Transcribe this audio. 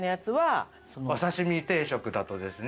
お刺し身定食だとですね